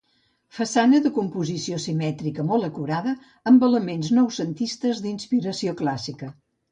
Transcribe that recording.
Façana de composició simètrica molt acurada, amb elements noucentistes d'inspiració clàssica.